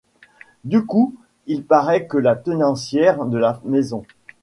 Du coup il paraît que la tenancière de la maison.